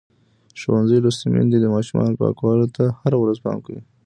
ښوونځې لوستې میندې د ماشومانو پاکوالي ته هره ورځ پام کوي.